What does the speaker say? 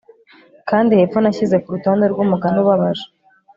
Kandi hepfo nashyize kurutonde rwumugani ubabaje